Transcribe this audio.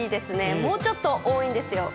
もうちょっと多いんですよ。